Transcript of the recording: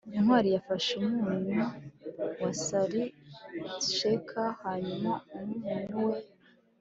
ntwali yafashe umunyu wa saltshaker hanyuma umunyu we